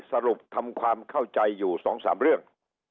สรุปทำความเข้าใจอยู่๒๓เรื่อง